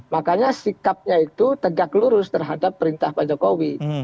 makanya sikapnya itu tegak lurus terhadap perintah pak jokowi